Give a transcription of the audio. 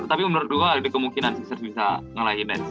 tapi menurut gua ada kemungkinan sixers bisa ngalahin nets